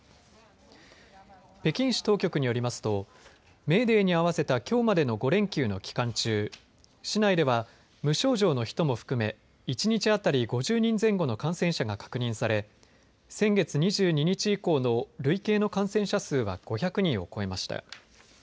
北京市当局によりますとメーデーに合わせたきょうまでの５連休の期間中市内では無症状の人も含め１日当たり５０人前後の感染者が確認され先月２２日以降の累計の感染者数は５００人を超えました。